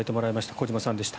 小島さんでした。